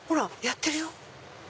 やってるよ。